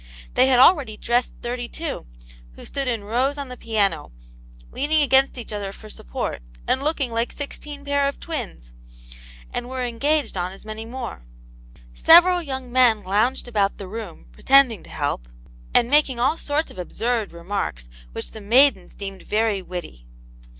They had already dressed thirty two, who stood in rows on the piano, leaning against each other for support, and looking like sixteen pair of twins ; and were engaged on as many more. Several young men lounged about the room, pretending to help, and making all sorts of absurd remarks, which the maidens deemed very witty.